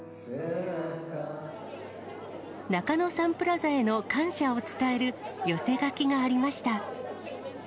中野サンプラザへの感謝を伝える寄せ書きがありました。